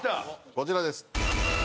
こちらです。